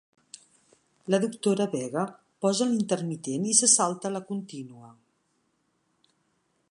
La doctora Vega posa l'intermitent i se salta la contínua.